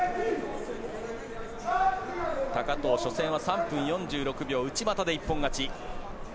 高藤、初戦は３分４６秒内股で一本勝ち。